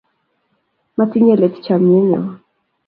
Matinye let chomyet nyoo